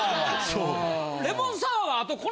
そう。